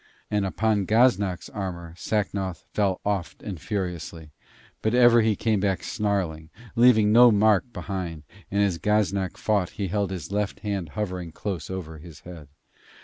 And upon Gaznak's armour Sacnoth fell oft and furiously, but ever he came back snarling, leaving no mark behind, and as Gaznak fought he held his left hand hovering close over his head.